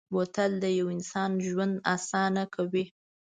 بوتل د یو انسان ژوند اسانه کوي.